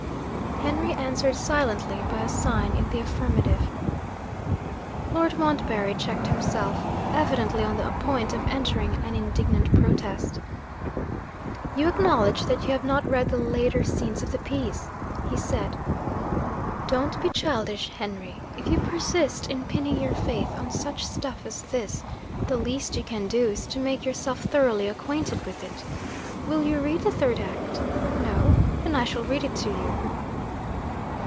Henry answered silently by a sign in the affirmative. Lord Montbarry checked himself evidently on the point of entering an indignant protest. 'You acknowledge that you have not read the later scenes of the piece,' he said. 'Don't be childish, Henry! If you persist in pinning your faith on such stuff as this, the least you can do is to make yourself thoroughly acquainted with it. Will you read the Third Act? No? Then I shall read it to you.'